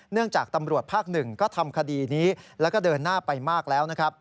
เนื่องจากตำรวจภาค๑ก็ทำคดีนี้แล้วก็เดินหน้าไปมากแล้ว